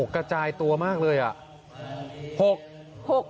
กระจายตัวมากเลยอ่ะ